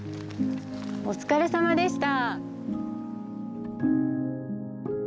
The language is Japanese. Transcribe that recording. お疲れさまでした。